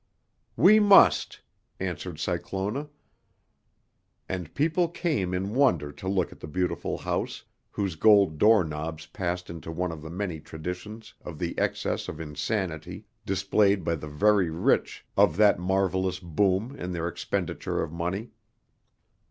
"We must," answered Cyclona; and people came in wonder to look at the beautiful house whose gold door knobs passed into one of the many traditions of the excess of insanity displayed by the very rich of that marvellous boom in their expenditure of money.